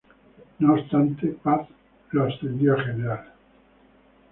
No obstante, Paz lo ascendió a general.